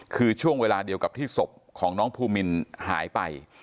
คือช่วงเวลาเดียวกับที่ศพของน้องภูมินหายไป